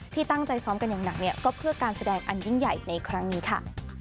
ที่ตั้งใจซ้อมกันอย่างหนักเนี่ยก็เพื่อการแสดงอันยิ่งใหญ่ในครั้งนี้ค่ะ